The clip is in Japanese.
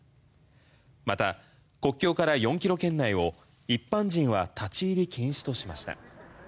また国境から４キロ圏内を一般人は立ち入り禁止としました。